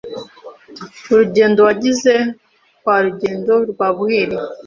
nia urugendo wagize kwa Rugendo rwaguhiriye”